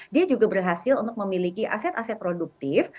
dia juga berhasil untuk memiliki aset aset produktif